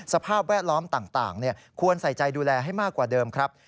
สภาพแวดล้อมต่างควรใส่ใจดูแลให้มากกว่าเดิมครับ